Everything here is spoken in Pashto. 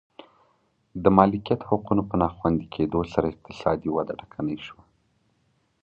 د مالکیت حقونو په ناخوندي کېدو سره اقتصادي وده ټکنۍ شوه.